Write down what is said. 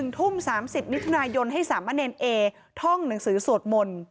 ทุ่ม๓๐มิถุนายนให้สามะเนรเอท่องหนังสือสวดมนต์